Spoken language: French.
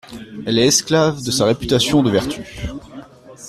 Elle est esclave de sa réputation de vertu…